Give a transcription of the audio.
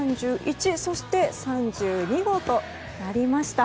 ３１そして３２号となりました。